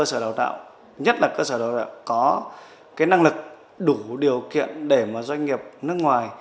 cơ sở đào tạo nhất là cơ sở đào tạo có cái năng lực đủ điều kiện để mà doanh nghiệp nước ngoài